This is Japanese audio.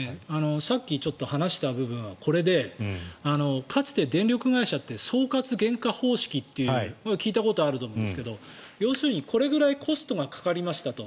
さっき話した部分はこれでかつて電力会社って総括原価方式という聞いたことあると思いますが要するにこれぐらいコストがかかりましたと。